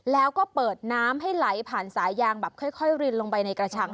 แล้วก็เปิดน้ำให้ไหลผ่านสายยางแบบค่อยรินลงไปในกระชัง